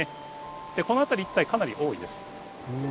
この辺り一帯かなり多いです。